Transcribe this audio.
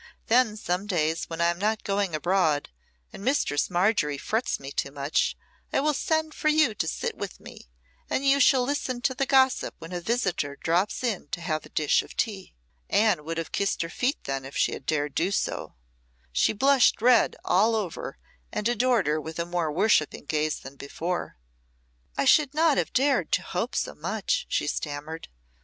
Then some days, when I am not going abroad and Mistress Margery frets me too much, I will send for you to sit with me, and you shall listen to the gossip when a visitor drops in to have a dish of tea." Anne would have kissed her feet then, if she had dared to do so. She blushed red all over, and adored her with a more worshipping gaze than before. "I should not have dared to hope so much," she stammered.